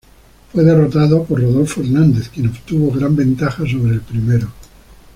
Fue derrotado por Rodolfo Hernández, quien obtuvo gran ventaja sobre el primero.